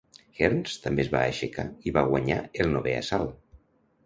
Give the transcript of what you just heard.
Hearns també es va aixecar i va guanyar el novè assalt.